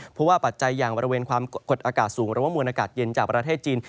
เพราะว่าปัจจัยอย่างบริเวณความกดอากาศสูงหรือว่ามวลอากาศเย็นจากประเทศจีน